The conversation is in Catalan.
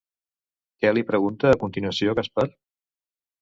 Què li pregunta a continuació Gaspar?